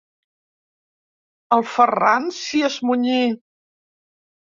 El Ferran s'hi esmunyí.